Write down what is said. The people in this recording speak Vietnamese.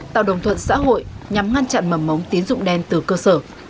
tạo đồng thuận xã hội nhằm ngăn chặn mầm mống tín dụng đen từ cơ sở